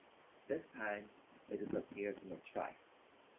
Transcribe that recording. This time it disappeared in a trice.